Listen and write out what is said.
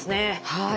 はい。